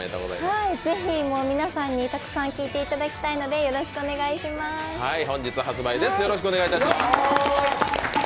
ぜひ、皆さんにたくさん聴いていただきたいのでよろしくお願いします。